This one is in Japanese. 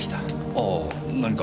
ああ何か？